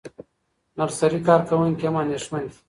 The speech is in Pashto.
نرسري کارکوونکي هم اندېښمن دي.